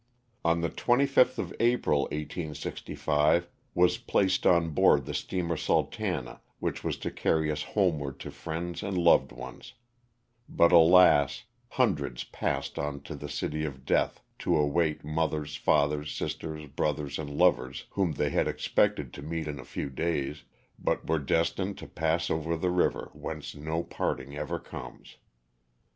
On the 25th of April, 1865, was placed on board the steamer "Sultana," which was to carry us homeward to friends and loved ones ; but alas, hundreds passed on to the '' City of Death " to await mothers, fathers, sisters, brothers and lovers, whom they had expected to meet in a few days, but were destined to pass over the river whence no parting ever comes.